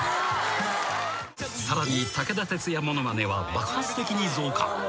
［さらに武田鉄矢ものまねは爆発的に増加］